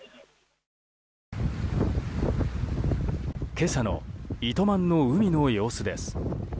今朝の糸満の海の様子です。